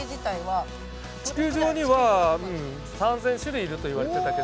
地球上には３，０００種類いるといわれてたけど。